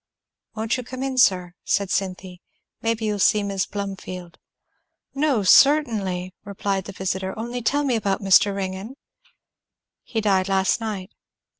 "Won't you come in, sir?" said Cynthy; "maybe you'll see Mis' Plumfield." "No, certainly," replied the visitor. "Only tell me about Mr. Ringgan." "He died last night."